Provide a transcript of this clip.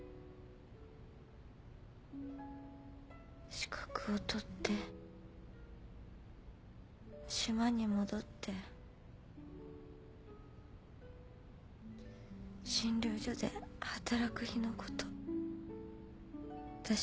資格を取って島に戻って診療所で働く日のことわたし